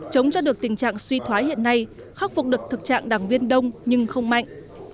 chống cho được tình trạng suy thoái hiện nay khắc phục được thực trạng đảng viên đông nhưng không mạnh